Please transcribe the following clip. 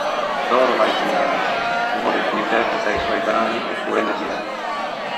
Adoro Liza Minnelli, il modo in cui interpreta i suoi brani è pura energia".